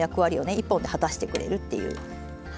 １本で果たしてくれるっていう。